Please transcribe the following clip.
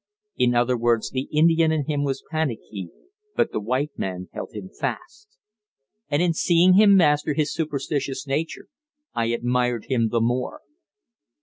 In other words, the Indian in him was panicky, but the white man held him fast. And in seeing him master his superstitious nature, I admired him the more.